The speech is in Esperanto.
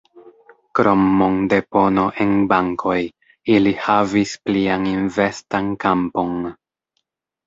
Krom mondepono en bankoj, ili havis plian investan kampon.